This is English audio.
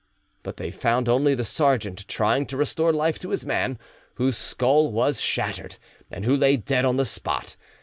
But they found only the sergeant, trying to restore life to his man, whose skull was shattered, and who lay dead on the spot.